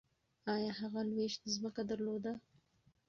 ایا هغه لویشت ځمکه درلوده؟